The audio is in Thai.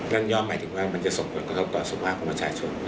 ย่อมหมายถึงว่ามันจะส่งผลกระทบต่อสุขภาพของประชาชน